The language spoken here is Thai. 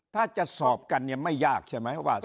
ถ้าจะสอบกันเนี่ยไม่ยากใช่ไหมว่า